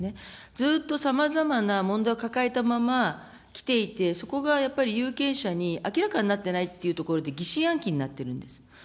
ずっとさまざまな問題を抱えたまま来ていて、そこがやっぱり、有権者に明らかになってないというところで疑心暗鬼になっているんです。